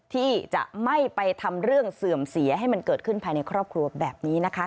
ที่จะไม่ไปทำเรื่องเสื่อมเสียให้มันเกิดขึ้นภายในครอบครัวแบบนี้นะคะ